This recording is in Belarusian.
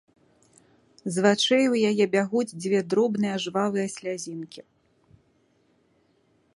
З вачэй у яе бягуць дзве дробныя жвавыя слязінкі.